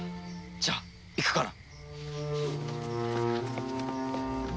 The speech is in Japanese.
じゃあ行くから。